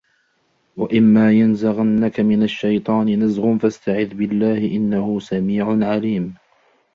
وَإِمَّا يَنْزَغَنَّكَ مِنَ الشَّيْطَانِ نَزْغٌ فَاسْتَعِذْ بِاللَّهِ إِنَّهُ سَمِيعٌ عَلِيمٌ